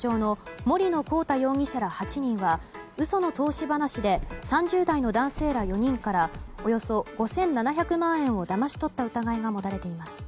森野広太容疑者ら８人は嘘の投資話で３０代の男性ら４人からおよそ５７００万円をだまし取った疑いが持たれています。